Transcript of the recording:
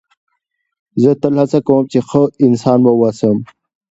زه تل هڅه کوم، چي ښه انسان واوسم.